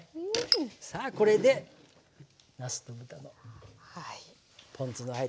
さあこれでなすと豚のポン酢のあえたものが。